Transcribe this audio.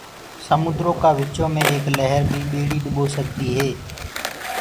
سموندرو ڪآ وچو مي ايڪ لهر بي ٻيڙي ڏُٻو سڪدي هي۔